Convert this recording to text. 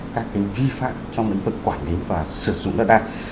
các vi phạm trong lĩnh vực quản lý và sử dụng đất đai